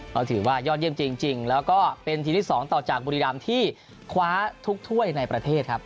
ก็ถือว่ายอดเยี่ยมจริงแล้วก็เป็นทีมที่๒ต่อจากบุรีรำที่คว้าทุกถ้วยในประเทศครับ